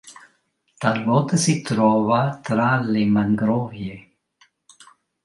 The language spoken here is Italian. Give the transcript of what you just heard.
Talvolta si trova tra le mangrovie.